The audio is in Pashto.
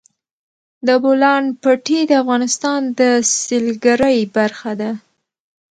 د بولان پټي د افغانستان د سیلګرۍ برخه ده.